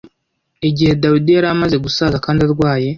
Igihe Dawidi yari amaze gusaza kandi arwaye